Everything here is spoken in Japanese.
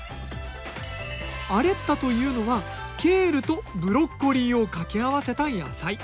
アレッタというのはケールとブロッコリーをかけ合わせた野菜。